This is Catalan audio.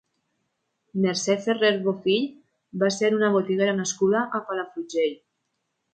Mercè Ferrer Bofill va ser una botiguera nascuda a Palafrugell.